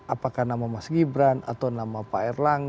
apakah nama mas gibran atau nama pak erlangga